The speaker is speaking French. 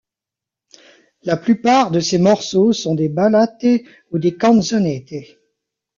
La plupart de ces morceaux sont des ballate ou des canzonette.